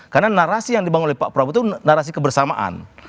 karena narasi yang dibangun oleh pak prabowo itu narasi kebersamaan